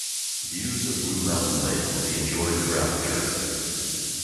Views of Blue Mountain Lake will be enjoyed throughout the journey.